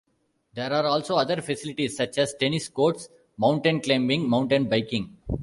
There are also other facilities such as tennis courts, mountain climbing, mountain biking.